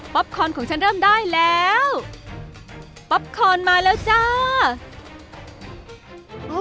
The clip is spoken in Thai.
คอนของฉันเริ่มได้แล้วป๊อปคอนมาแล้วจ้า